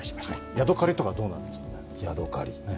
ヤドカリとかどうなんですかね？